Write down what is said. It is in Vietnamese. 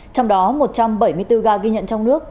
trong đó một trăm bảy mươi bốn ca ghi nhận trong nước